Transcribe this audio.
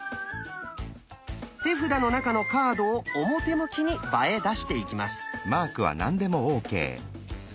手札の中のカードを表向きに場へ出していきます。